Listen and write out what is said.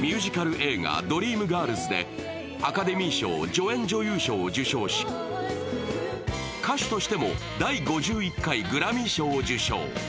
ミュージカル映画「ドリームガールズ」でアカデミー賞、助演女優賞を受賞し歌手としても第５１回グラミー賞を受賞。